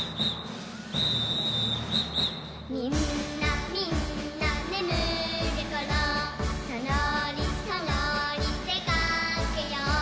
「みんなみんなねむるころそろりそろりでかけよう」